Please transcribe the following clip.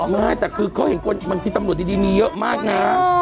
ไงแต่คือเขาเห็นขนมันคือตำรวจดีมีเยอะมากนะ